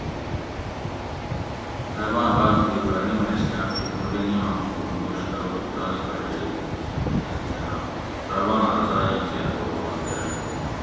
رباۤں باۤم تھی ابرھیم (ع) کہ قُربینی آں حکم ھوش ارو تو تانی بچئ ( اسماعیل علیہ السلام ) رباں رضایٔیں کیر قُربان کۤر